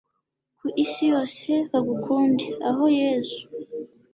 ku isi yose bagukunde, ah yezu